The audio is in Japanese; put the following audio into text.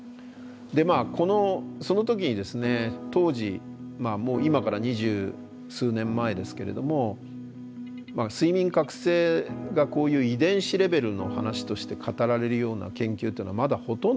まあこのその時にですね当時今から二十数年前ですけれども睡眠覚醒がこういう遺伝子レベルの話として語られるような研究っていうのはまだほとんどなかったんですね。